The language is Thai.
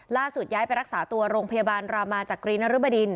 ย้ายไปรักษาตัวโรงพยาบาลรามาจากกรีนรบดิน